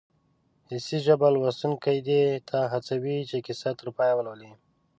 حسي ژبه لوستونکی دې ته هڅوي چې کیسه تر پایه ولولي